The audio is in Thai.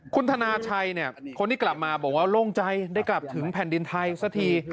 คุณธนาชัยคนที่กลับมาบอกว่าโล่งใจได้กลับถึงแผ่นดินไทยสักที